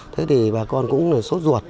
thế thì bà con cũng sốt ruột